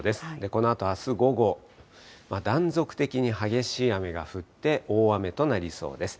このあとあす午後、断続的に激しい雨が降って、大雨となりそうです。